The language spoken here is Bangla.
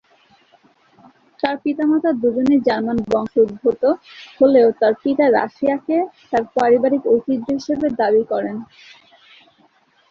তার পিতামাতা দুজনেই জার্মান বংশোদ্ভূত হলেও তার পিতা রাশিয়াকে তার পারিবারিক ঐতিহ্য হিসেবে দাবী করেন।